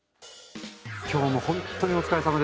今日もほんっとにお疲れさまです。